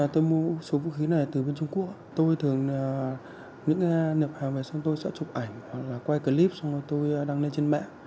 tôi mua số vũ khí này từ bên trung quốc tôi thường những niệm hào về xong tôi sẽ chụp ảnh hoặc là quay clip xong tôi đăng lên trên mẹ